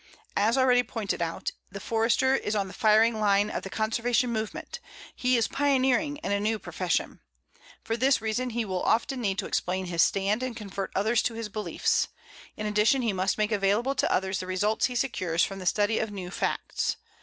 As already pointed out, the Forester is on the firing line of the conservation movement; he is pioneering in a new profession. For this reason he will often need to explain his stand and convert others to his beliefs. In addition, he must make available to others the results he secures from the study of new facts.